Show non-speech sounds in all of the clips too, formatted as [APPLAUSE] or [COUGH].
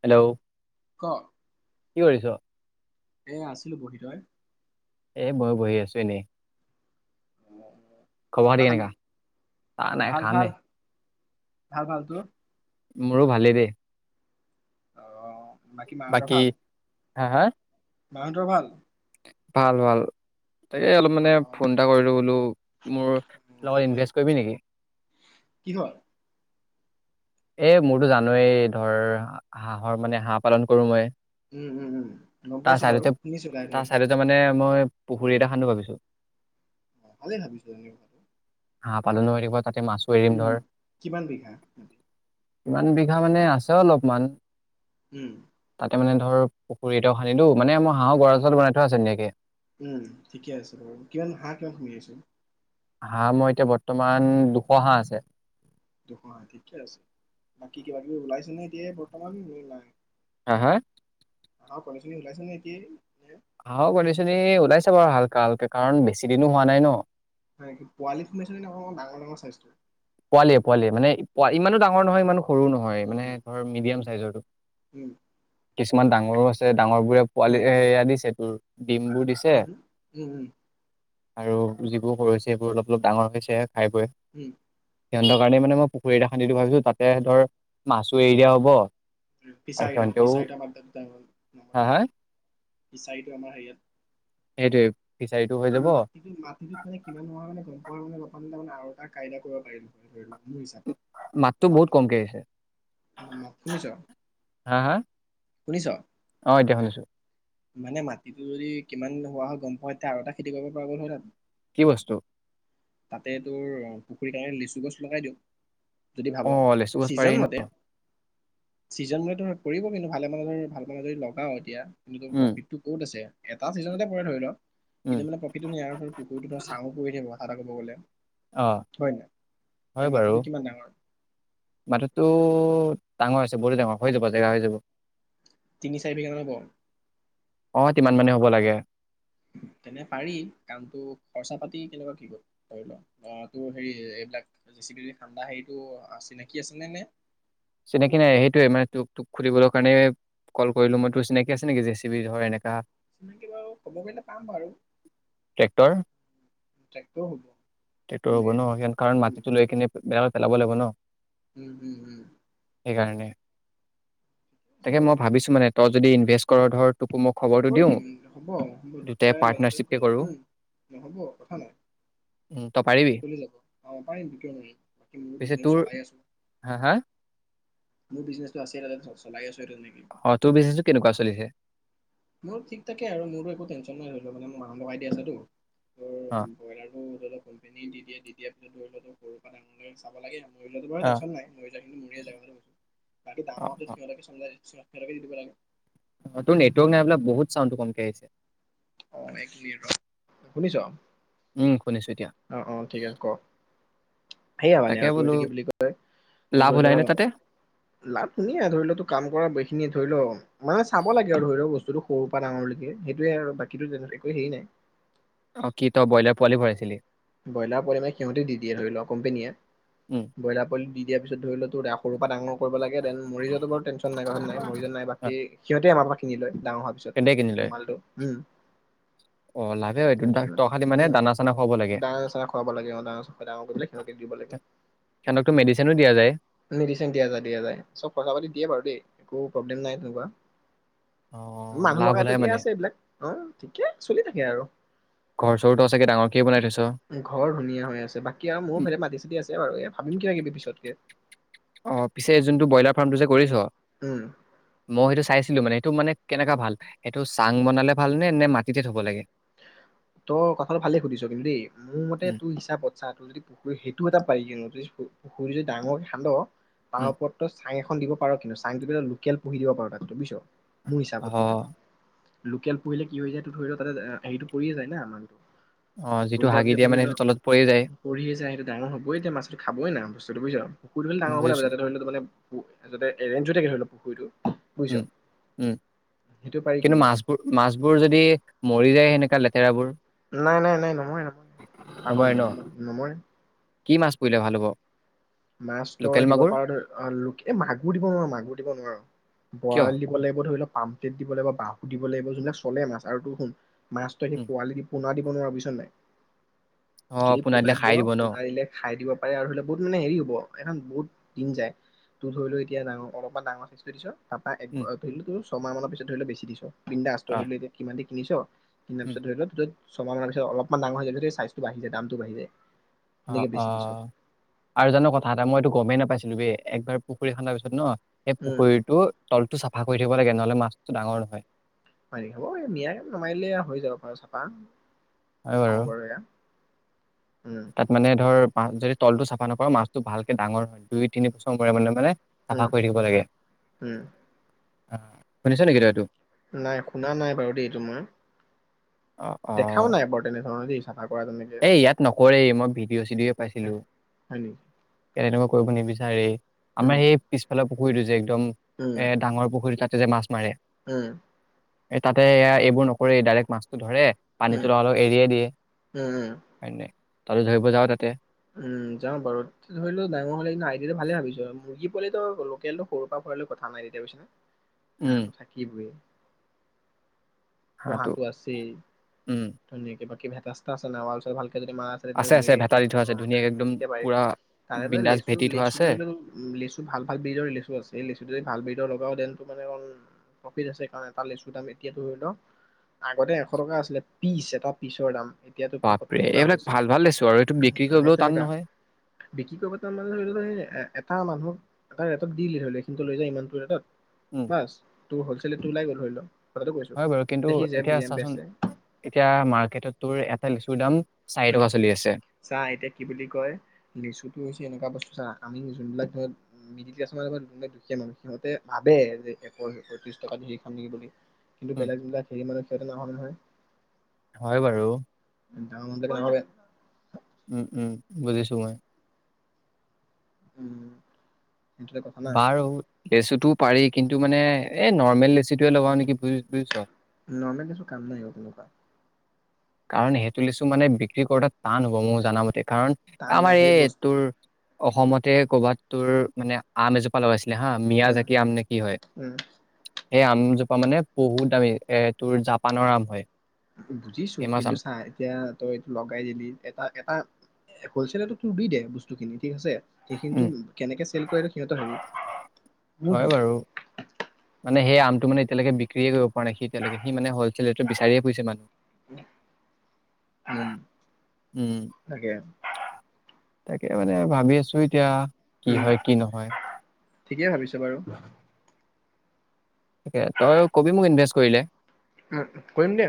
Hello ক' কি কৰিছ? এ আছিলো বহি, তই? এ মইও বহি আছোঁ, এনেই। আহ, খবৰ চাহ খাতি তাহ খালি কেনেকা? আ নাই ভাল খামহে। ভাল ভাল ভাল, তোৰ? মোৰো ভালেই দে। অ'। বাকী মাহঁতৰ ভাল? হা, হা? মাহঁতৰ ভাল? ভাল ভাল। তাকে অলপ অ মানে ফোন এটা কৰিলোঁ বোলো, মোৰ লগত তাকে ইনভেষ্ট কৰিবি নেকি? কি হ'ল এ, মোৰতো জানই ধৰ হাঁহৰ মানে হাঁহ পালন কৰো মই। উম, উম, উম গম তাৰ পাইছো বাৰু চাইডতে শুনিছো তাৰ চাইডতে মানে মই পুখুৰী এটা সান্দো ভাবিছো। অ', ভালেই ভাবিছো হা পালনো হৈ থাকিব তাতে মাছো এৰিম ধৰ। উম' কিমান বিঘা? কিমান বিঘা মানে আছে অলপমান। উম'। তাৰমানে ধৰ পুখুৰী এটাও সান্দিলো মানে মই হাঁহৰ গঁৰাল চৰাল বনাই থোৱা আছে ধুনীয়াকে। উম ঠিকে আছে বাৰু কিযমান হাঁহ কিমান পুসিআছে হাঁহ মই এতিয়া বৰ্তমান দুশ হাঁহ আছে। দুশ হাঁহ ঠিকে আছে, বাকী কিবা কিবি ওলাইছে নে এতিয়া বৰ্তমান নে নাই? হা হা হাহঁ কনী ওলাইছে নেকি বাহঁ কনী ছনী ওলাইছা বাৰু হালকা হালকে কাৰণ বেছি দিনো হোৱা নাই ন হয় নে পোৱালি সোমাইছে নে অপ ডাঙৰ ডাঙৰ স্বাস্থটো পোৱালিয় পোৱালিয় মানে প ইমানো ডাঙৰ নহয় ইমানো সৰু নহয় মানে উম ধৰ মিডিয়াম উম চাইজৰটো উম কিছুমান ডাঙৰো আছে ডাঙৰ বোৰে পোৱালি এয়া দিছে তোৰ ডিমবোৰ দিছে। কি হ'ল আৰু যিবোৰ সৰু হৈছে সেইবোৰ অলপ অলপ ডাঙৰ হৈছে খাই বৈ উম সিহঁৰ কাৰণে মানে মই পুখুৰী এটা খান্দিটো ভাবিছো তাতে ধৰ মাছো এৰি দিয়া হ'ব আৰু ফিছাৰি সিহঁতেও এটা ন হা নেকি হা ফিছাৰিটো আমাৰ হেৰিয়াত সেইটোৱে ফিচাৰীটো হৈ যাব মাটিটো মাটিটো খানে কিমান নোহোৱা হয় নে তম মই মানে বমান তাৰানে আৰুটা কাইদা কৰিব পাৰিলো হয় ধৰি লও মাতটো বহুত কমকৈ আহিছে শুনিছ হা হা শুনিছ অ এতিয়া শুনিছো মানে মাটিটো যদি কিমান হোৱা হয় গম পোৱাওঁ এতিয়া আৰু এটা খেতি কৰিব পৰা গ'ল হয় কি বস্তু তাতে তোৰ পুখুৰীৰ কাৰণে লিচু গছ লগাই দিওঁ যদি অ ভাবো লেচু গছ পাৰি ছিজন ন মতে চিজন মান পৰিব কিন্তু ভালে মানে ধ ভাল মানে যদি লগাও এতিয়া কিন্তু ত উম প্ৰফিটটো ক'ত আছে এটা ছিজনতে পৰে ধৰি ল উম কিন্তু মানে প্ৰফিটো নাই আৰু ধৰ পুখুৰীটো ধৰ চাশু পৰি থাকিব সঁচা কথা ক'ব গ'লে অ হয় নাই হয় এতিয়া বাৰু মাটিটো কিমান ডাঙৰ মাটিটো ডাঙৰ আছে বহুত ডাঙৰ হৈ যাব জেগা হৈ যাব তিনি চাৰি বিঘা মান হব অ কিমান মানে হ'ব লাগে তেনে পাৰি কামটো খৰচা পাতি কেনেকুৱা কি কল ধৰি লোৱা তোৰ হেৰি এইবিলাক জিচি ঠা্ডা হেৰিটো চিনাকি আছেনে নে চিনাকি নাই সেইটোৱে মানে তোক তোক সুধিবলৈৰ কাৰণে কল কৰিলো মই তোৰ চিনাকি আছে নেকি জে চি বি ধৰ এনেককা চিনাকি বাৰু খবৰ কৰিলে পাম বাৰু ট্ৰেক্টৰ হ'ব তেক্টৰ হ'ব তেনেকে ন স কাৰণ উম মাটিটো লৈ কিনে বেয়া পেলাব লাগিব ন। উম, উম, উম। সেইকাৰণে। ঠিকে আছে তাকে বাৰু মই ভাবিছো মানে। তই যদি ইনভেষ্ট কৰ ধৰ। তোকো মই খবৰটো কৰি দিওঁ দিম হ'ব হ'ব দুটাই লাগিেল পাৰ্টনাৰশ্বিপকে কৰি কৰো য উম নহ'ব কথা নাই উম, তই পাৰিবি চলি যাব অ পাৰিম কিয় নোৱাৰি বাকী মোৰ পিছে বিজনেছ তোৰ চলাই আছো। হা হা মোৰ বিজনেচো আছে ত চলাই আছো। সেইটো তেনেকে অ তোৰ বিজনেছো কেনেকুৱা চলিছে। মোৰ ঠিক থাকে আৰু মোৰো একো টেন্যন নাই ধৰি লও মানে মই মানহ লগাইিয় আছাো ত অ ব্ৰইলাৰ টো ধৰিক কোম্পানী দি দিয়ে দি দিয়া। দৰি ললতো সৰুৰ পৰা তেওঁলোকে চাব লাগে আৰু। মৰি যোৱাো অ বাৰু টন নাই মৰি যা কিন্তু মৰি জেগা গৈছো বাকী অ অ গাৱৰতে সিহতকে চ। কিটো প [UNINTELLIGIBLE] অ তোৰ নেটৱৰ্ক নাই বাই বহুত চাউডটো কমক আহিছে। অ শুনিছ উম শুনিছো এতিয়া অ অ ঠিক আছে। ক সেইয়া মানে তাকে আৰু ত বোলো এইটো কি বুলি কয় লাভ ধৰি ওলাই লও নে তাতে লাভ শুনিয়ে ধৰি লও তোৰ কাম কৰাখিনি। থৈলও। মানে চাব লাগে আৰু ধৰি লক বস্তুটো। সৰুৰ পৰা ডাঙৰলৈকে সেইটোৱে আৰু বাকী। কিন্তু তেনে একো হেৰি নাই। অ কি তই ব্ৰইলাৰ পোৱালি ভৰাইছিলি। ব্ৰইলাৰ পোৱে সিহঁতি দি দিয়ে ধৰি ল কম্পেনীয়ে উম ব্ৰইলাৰ পলি দিয়াৰিছত ৰাস। সৰু পৰা ডাঙৰ। কৰিব লাগে দেন মৰিজত বাৰু টন নাই নাই মৰিজন নাই অ, বাকী সিহতে আমাক। কিনি লয়। ডাঙৰ হোৱাৰ কেনেকে কিনিলে পিছত মালটো উম। অ লভ হয় তহ খালি মানে দানা চানা খুৱাব। লাগে ডাঙৰচা খুৱাব লাগে অ ডাঙৰ চ ডাঙৰ কৰি খ দিব লাগে সিহঁতকতো মেডিচিনো দিয়া যায় মেডিচ দিয়া যায় দিয়া যায় চব খৰচা পাতি দিয়ে বাৰু দেই। এক প্ৰব্লেম নাই তেনেকুৱা। অ মানুহ লাভ ওলাই লগাইো এতিয়া মানে আছে এইবিলাক অ ঠিকে আছে। চলি থাকে আৰু। ঘৰ চৰটো আ চাগে ডাঙৰ। ঘৰ ধুনীয়া হৈ আছে বাকী আৰু মোৰ উম, ভেদে মাতি চাতি আছে বাৰু এই ভাবিম কিবা কিবি পিছতকে। অ পিছে যোনটো ব্ৰইলাৰ ফাৰ্মটো যে কৰিছ। উম মই সেইটো চাইছিলো মানে। এইটো মানে কেনেকা ভাল এইেটো চাং বনালে ভাল নে, নে মাটিতে থ'ব লাগে। তই কথাটো ভালে সুধিছ কিন্তু দেই মোৰ মতে উম তোৰ হিচাপত চা তোৰ যদি পুখুৰী সেইটো এটা [INAUDIBLE] পুখুৰীটো যদি ডাঙৰ খান্দ। তাৰ উম ওপৰত তই চাং এখন দিব পাৰ কিন্তু চাংটো লোকেল পঢ়ি দিব পাৰো তাত বুইছ মোৰ অ হিচাপত কিন্তু লোকেল পুহিলে কি হৈ যায় তটো ধৰি'ল তাতে হেৰিটো পৰিয়ে যায়। বেয়া নহয় সেইটো। অ যিটো পৰি যোৱাৰ হাগি পিছত দিয়ে মানে ধৰি'ল সেইটো তলত পৰি যায় পৰিয়েই যায় সেইটো ডাঙৰ হবই এতি মাছটো খাবই না বস্তুটো বুজিছ। পুখুৰীটো ধৰি'ল ডাঙৰ হ'ব লাগিব বুজিছো যাতে ধৰি'ল ম যাতে এৰেঞ্জ হৈ থাকে ধৰি'ল। পুখুৰীটো বুজিছ উম, উম সেইটো পাৰি কিন্তু মাছবোৰ, মাছবোৰ যদি মৰি যায় এনেকা লেতেৰাবোৰ নাই, নাই, নাই নমৰে, নমৰে পাগৰ নমৰে ন নেকি? নম-নমৰে কি মাছ পৰিলে ভাল হ'ব? মাছ লোকেল তই দিব মাগুৰ পাৰ ধ অ', লোকে-এই মাগুৰ দিব নোৱাৰ, মাগুৰ দিব নোৱাৰ, বৰালি কিয় দিব লাগিব ধৰি ল পাম প্লেট দিব লাগিব, বাহু দিব লাগিব যোনবিলাক চলে মাছ আৰু তোৰ শুন মাছ তই সেই পোৱালি দি পোনা দি কোনো [UNINTELLIGIBLE] নাই। অ', যদি পোনা দিলে খাই দিয়, দিব ন? পোনা দিলে খাই দিব পাৰে আৰু ধৰি ল বহুত মানে হেৰি এখন বহুত দিন যায় তোৰ ধৰি লৈ এতিয়া ডাঙৰ অলপ ডাঙৰ চাইজটো দিছ তাপা এক উম। আ, ধৰিলো তোৰ ছয় মাহ মানৰ পিছত ধৰি ‌ল বেচি দিছ। বিন্দাছ তই অ', ধৰি ল [UNINTELLIGIBLE] কিনিচ উম, [UNINTELLIGIBLE] ছমানৰ পিছত অলপমান ডাঙৰ হৈ যায়, চাইজটো বাঢ়ি যায়, দামটো বাঢ়ি যায়। তেনেকে অ', বেছি দিছ অ', আৰু জান ক থা এটা মইতো গমে নাপাইছিলো বে, একবাৰ পুখুৰী খান্দাৰ পিছত ন সেই উম। পুখুৰীটো তলতো চাফা কৰি থাক গে নহ'লে মাছো ডাঙৰ নহয়। হ'ব মিয়াই [UNINTELLIGIBLE] হৈ যাব পাৰ চফা অ', বাৰু এয়া উম তাত মানে ধৰ মাছ যদ তলটো চাফা নকৰ, মাছটো ভালকে ডাঙৰ হয়, দুই তিনিবছৰ মূৰে, মূৰে মানে চাফা উম কৰি থাকিব লাগে। উম অ', শুনিছ নেকি তই এইটো? নাই, শুনা নাই বাৰু দেই এইটো মই অ', দেখাও অ', নাই বৰ তেনেধৰণৰ দেই। [UNINTELLIGIBLE] তেনেকে এই ইয়াত নকৰেই মই ভিডিঅ' চিডিঅ পাইছিলো। হয়, নি? [UNINTELLIGIBLE] কৰিব নিবিচাৰেই। আমাৰ এই পিছফালে পু দিছে এক একদম উম এ ডাঙৰ পুখুৰী তাত যে মাছ মাৰে উম। এ তাতে এ এইবোৰ নকৰি ডাইৰেক্ট মাছটো ধৰে। উম পানীটো অলপ এৰিয়ে উম উম দিয়ে। তাত ধৰিব যাওঁ তাতে উম, যাওঁ বাৰু ধৰি লওঁ ডাইঙ হ'লেদ আই দিয়াটো ভালে ভাবিছো মুৰ্গী লোকেলটো সৰুৰ পৰা ভৰাৈ কথা নাই তেতিয়া বুজছ নে। উম হাঁহটো থাকিবই। হাঁহটো গহাটো আছেই উম ধনেক কিবা কিবি [UNINTELLIGIBLE] এ যদি মা আছে [UNINTELLIGIBLE] ভেটা এইটো। দি ন থোৱা আছে ধুনীয়াকে একদম পুৰা তাৰ বিন্দাজ লেচু, ভেটি থোৱা লেচু, আছে লেচু ভাল ভালজৰ লেচু আছে লেচুটোদি ভাল ব্ৰিডৰ লগত [UNINTELLIGIBLE] লেচুৰ দাম এতিয়া লওঁ আগতে এশ টকা আছিলে পিচ এটা পিচৰ দাম। এতিয়াতো বাপৰে পয়সত্তৰ টকা এইবিলাক হৈছে ভাল, ভাল লেছু আৰু এইটো বি সেই তেনেকা বিক্ৰী কৰিব তাৰ মানে ধৰি এটা মানুক এটা ৰেটত দি দিলে ধৰি লওঁ সখিনটো লৈ যায় ইমানটো উম ৰেটত বাস ত হলছেলটো ওলাই গ'ল হয় লওঁ। হয় বাৰু কিন্তু এতিয়া চাচোন এতিয়া মাৰ্কেটত তোৰ খাই লিছুৰ দাম চাৰি উম, টকা চলি আছে চা এতিয়া কি বুলি কয় লিচুটো হৈছে এনেকুৱা বস্তু চা আমি যোনবিলাক ধৰ মিডিল ক্লাছ মান যোনবিলাক দুখীয়া মানুহ সিহঁতে ভাবে যে একশয়ত্ৰিশ টকা ধৰি খাম নেকি বুলি। কিন্তু উম বেলেগিলাক হেৰি মানুে সেইটো নহয় নহয় হয় বাৰু এে উম উম বুজিছো হয়াই উম সটো কথা নাই লেচুটোও পাৰি কিন্তু মানে এই নৰ্মেল লেচুটোৱে লগাওঁ নেকি বু বুজিছ নৰ্মছো কাম নাইিব তেনেকুৱা কাৰণ সেইটো লিচো মানে বিক্ৰী কৰোতোত টান হ'ব মোৰ জ জনামতে কাৰণ টান নাই আমাৰ সেই এই বস্তু তোৰ অসমতে কৰ'বাত তোৰ মানে আম এজোপা লগাইছে হা মিয়া উম জাকি আম নে কি হয় উম সেই আমজোপা মানে বহুত দামি এ তোৰ জাপানৰ আম হয় বুজিছ ফেমাচ কিন্তু আম চাহ এতিয়া তই এইটো লগাই দিলি এটা এটা হ'লছেেলতো তোৰ দি দে বস্তুখিনিত ঠিক আছে সেইখিনিতো উম কেনেকে চেল কৰেটো সিহঁত হেৰি হয় বাৰু মানে সেই আমটো মানে এতিয়ালৈকে বিক্ৰয়ে কৰিব পৰা নাই সি এতিয়ালৈকে সি মানে হলছেেল ৰেটত বিচাৰিয়ে ফছে মানুহ উম উম তাকে তাকে মানে ভাবি আছো এতিয়া কি উম হয় কি নহয় ঠিকেই ভাবিছো বাৰু তাকে তই কবি মোক ইনভেষ্ট কৰিলে উম কৰিম দে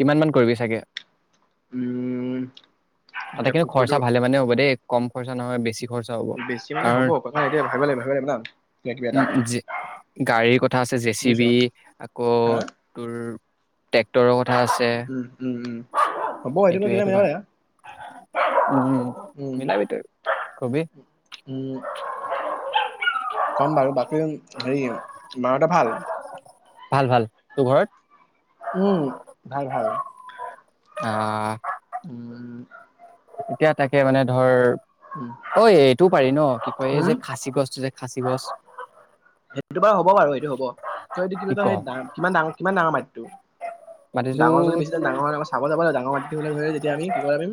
কিমান মান কৰিবি চাগে উম, ত এতিয়া কিন্তু খৰচা পুখুৰীটো ভালে মানে হ'ব দেই কম পইচা নহয় বেছি খৰচা হ'ব বেছি মানে কাৰণ হ'ব প এতিয়া ভাব লাগ ভাবিব লে ন উম গাড়ীৰ কথা আছে জে চি বুজিছ বি আকৌ হা তোৰ ট্ৰেক্টৰৰ কথা আছে উম উম উম হ'ব সেইটো এইটোৱে কিব কাৰণে নয়া উম, উম মিলাবি তই কবি উম কম বাৰু বাকী হেৰি মাৰতে ভাল ভাল ভাল তোৰ ঘৰত উম ভাল ভাল উম উম। এতিয়া তাকে মানে ধৰ উম, ঐ এইটোও পাৰি ন' কি কয় এই উম যে খাচী গছটো যে খাচী গছ। সেইটো। হ'ব বাৰু সেইটো হ'ব ত এইটো কি বুলি কয় সেই কিমান ডাঙৰ কিমান ডাঙৰ মাটিটো মাটিতো ডাঙৰ যদি বেছি ডাঙৰ চাব যাব লাগ ডাঙৰ মাটিটো হ'লে ধৰি তেতিয়া আমি কি কৰিব পাৰিম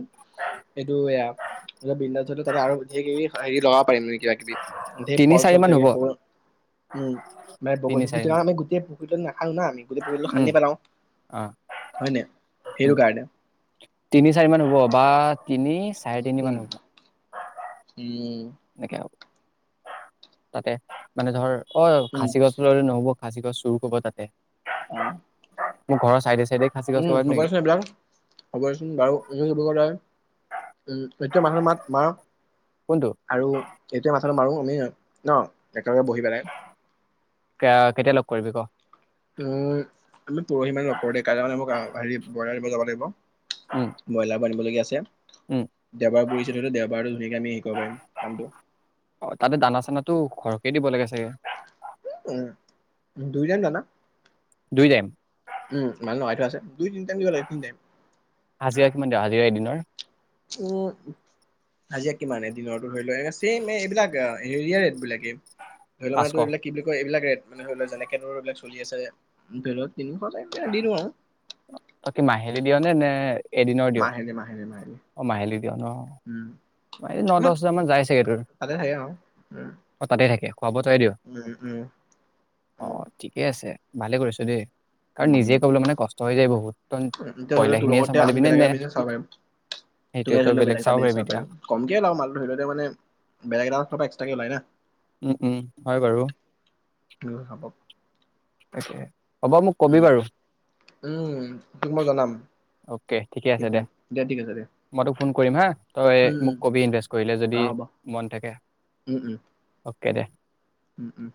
এইটো এয়া ত আৰু হেৰি লগব পাৰম নি কিবা কিবি। ধেই তিনি ফল চাৰি চল মান থেলে হ'ব ব উম [UNINTELLIGIBLE] তিনি চাৰি মান [UNINTELLIGIBLE] না আমি গোটেই পুখুৰীটো উম, খান্দি পেলাও অ', হয় নাই সেইটো উম, কাৰণে তিনি, চাৰি মান হ'ব বা তিনি চাৰে তিনি উম মান হ'ব। উম [UNINTELLIGIBLE] তাতে, মানে ধৰ অ', উম খাচী গছ [UNINTELLIGIBLE] নহ'ব খাচী গছ চুৰ কৰিব তাতে। [UNINTELLIGIBLE] মোক ঘৰ চাইদেচ উম, হ'ব দেচোন এইবিলাক, হ'ব দেচোন বাৰু [UNINTELLIGIBLE] মানুহ মাত মাৰ কোনটো আৰু এইটোৱে‌ [UNINTELLIGIBLE] মাৰো আমি ন? একেলগে বহি পেলাই। [UNINTELLIGIBLE] কেতিয়া লগ কৰিবি ক? আমি পৰহি মানে লগ কৰোঁ দে, কাইলৈ মানে আ, হেৰি ব্ৰইলাৰ আনিব যাব লাগিব, উম ব্ৰইলাৰ ব আনিবলগীয়া আছে উম দেওবাৰ কৰিছিলটো দেওবাৰটো ধুনীয়াকে আমি শিকিব পাৰিম কামটো। তো সৰহকে দিব লাগে চাগে। উম, দুইজন জানা। দুই টাইম উম, মান নু দুই তিনিটটা দিব লাগে তিনিটাইম হাজিৰা কিমান দিনৰ হাজিৰা এদিনৰ? উ হাজিয়া কিমানে দিনৰতো ধৰি লোৱা চেম এইবিলাক হেৰিয়বিলাকে ধৰিল পাঁচশ মটো এইবিলাক কি বুলি কয় এইবিলাক এ মানে ধৰি লোৱা যেনেকে ধৰ এইবিলাক চলি আছে ভত তিনিশ দি দিওঁ আৰু তাক কি মাহিলী দিয় নে নে এদিনৰ দিওঁ মাহেলী মাহেলী মাহেলী অ', মাহেলী দিয় অ'। উম, ন দহ বজ মান যাই চাগেটোৰ তাতে থাকে আৰু উম, তাতে থাকে খোৱা বোৱা তয়ে দিয় উম, উম, উম, অহ, ঠিকে আছে। ভালে কৰিছো দেই। কাৰণ উম, নিজে কবলৈ মানে কষ্ট হৈ যায় বহুত এতিয়া ধৰি লও তোৰ পয়লাখিনিয়ে লগতে আমি চম্ভালিবি নে বেলেগ নে এটা বিজনেছ চাব পাৰিম তোকে সেইটোৱে ধৰি তই লও বেলেগ এটা চাব বিজনেছ পাৰিবি এতিয়া। পাৰিম কমকে লওঁ মালটো ধৰি লওঁ মেনে বেলেগ এটা এক্সট্ৰাকে ওলাই না। উম, উম হয়, বাৰু। উম, হ'ব। [UNINTELLIGIBLE] কবি উম, বাৰু উম তোক মই জনাম। অ'কে ঠিকে অ'কে আছে অ'কে দে, দিয়া ঠিক আছে দিয়া মই তোক ফোন কৰিম হা তই উম মোক উম কবি ইনভেষ্ট কৰিলে অ যদি হ'ব মন থাকে। উম উম অ'কে দে। উম, উম।